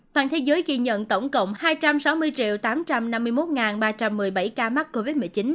toàn thế giới ghi nhận tổng cộng hai trăm sáu mươi tám trăm năm mươi một ba trăm một mươi bảy ca mắc covid một mươi chín